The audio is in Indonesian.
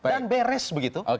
dan beres begitu